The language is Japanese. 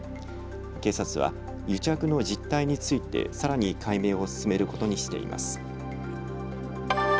警察は癒着の実態についてさらに解明を進めることにしています。